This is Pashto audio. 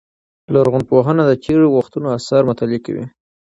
لرغونپوهنه د تېرو وختونو آثار مطالعه کوي.